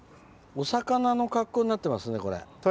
お魚の格好になってますね。